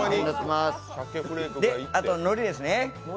あと、のりですね。